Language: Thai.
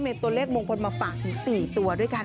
มีตัวเลขมงคลมาฝากถึง๔ตัวด้วยกัน